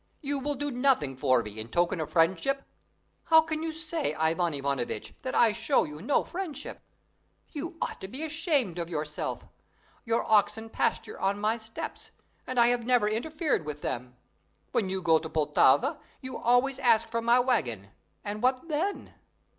You will do nothing for me in token of friendship." "How can you say, Ivan Ivanovitch, that I show you no friendship? You ought to be ashamed of yourself. Your oxen pasture on my steppes and I have never interfered with them. When you go to Poltava, you always ask for my waggon, and what then?